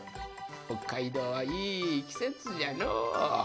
北海道はいいきせつじゃのう。